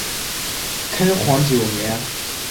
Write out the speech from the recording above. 开皇九年。